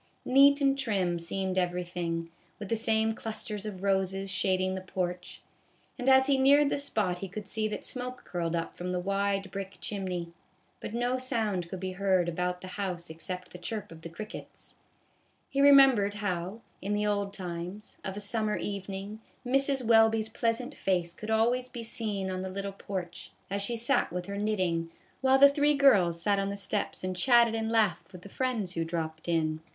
Neat and trim seemed everything, with the same clusters of roses shading the porch ; and as he neared the spot he could see that smoke curled up from the wide brick chimney ; but no sound could be heard about the house except the chirp of the crickets. He remembered how, in the old times, of a summer evening, Mrs. Welby's pleasant face could be always seen on the little porch, as she sat with her knitting, while the three girls sat on the steps and chatted and laughed with 1/4 A SAG OF POP CORN. the friends who dropped in.